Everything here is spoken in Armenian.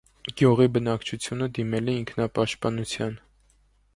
Գյուղի բնակչությունը դիմել է ինքնապաշտպանության։